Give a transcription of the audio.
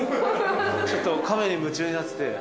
ちょっと亀に夢中になってて。